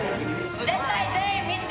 絶対全員見つけるぞ！